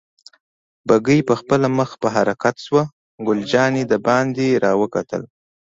بګۍ پخپله مخ په حرکت شوه، ګل جانې دباندې را وکتل.